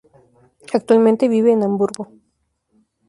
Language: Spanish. Actualmente vive en Hamburgo.